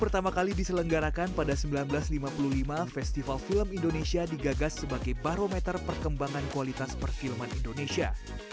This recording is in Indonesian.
pertama kali diselenggarakan pada seribu sembilan ratus lima puluh lima festival film indonesia digagas sebagai barometer perkembangan kualitas perfilman indonesia